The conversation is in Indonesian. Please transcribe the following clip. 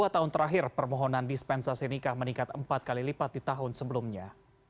dua tahun terakhir permohonan dispensasi nikah meningkat empat kali lipat di tahun sebelumnya